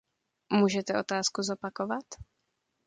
Můžete otázku zopakovat?